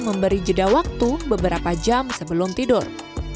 memberi jeda waktu beberapa jam sebelum tidur